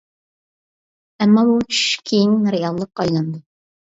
ئەمما بۇ چۈش كېيىن رېئاللىققا ئايلىنىدۇ.